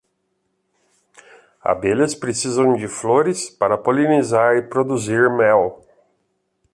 Abelhas precisam de flores para polinizar e produzir mel